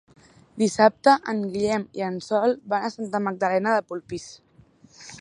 Dissabte en Guillem i en Sol van a Santa Magdalena de Polpís.